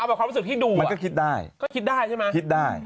แบบความรู้สึกที่ดูมันก็คิดได้ก็คิดได้ใช่ไหมคิดได้